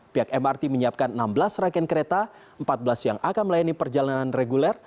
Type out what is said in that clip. pihak mrt menyiapkan enam belas rangkaian kereta empat belas yang akan melayani perjalanan reguler